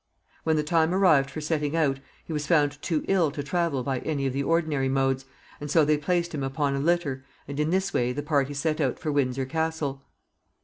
When the time arrived for setting out, he was found too ill to travel by any of the ordinary modes, and so they placed him upon a litter, and in this way the party set out for Windsor Castle.